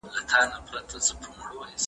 اسلام د ټولو وګړو درناوی کوي.